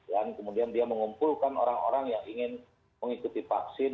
dan kemudian dia mengumpulkan orang orang yang ingin mengikuti vaksin